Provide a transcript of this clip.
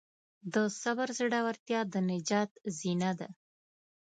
د صبر زړورتیا د نجات زینه ده.